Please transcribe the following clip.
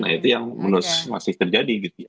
nah itu yang menurut masih terjadi gitu ya